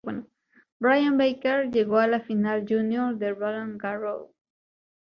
Brian Baker llegó a la final júnior de Roland Garros.